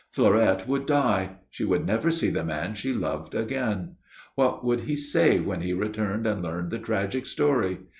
Fleurette would die; she would never see the man she loved again. What would he say when he returned and learned the tragic story?